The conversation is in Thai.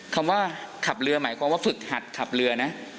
คำว่าขับเรือหมายความว่าฝึกหัดขับเรือนะ